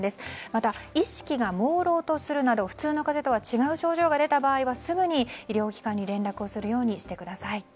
また、意識が朦朧とするなど普通の風邪とは違う症状が出た場合はすぐに医療機関に連絡をするようにしてください。